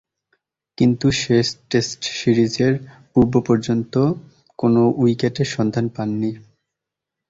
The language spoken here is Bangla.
কিন্তু, শেষ টেস্ট সিরিজের পূর্ব-পর্যন্ত কোন উইকেটের সন্ধান পাননি।